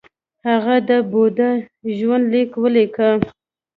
هغه د بودا ژوند لیک ولیکه